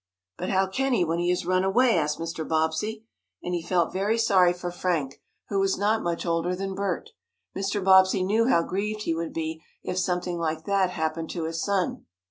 "But how can he, when he has run away?" asked Mr. Bobbsey, and he felt very sorry for Frank, who was not much older than Bert. Mr. Bobbsey knew how grieved he would be if something like that happened to his son.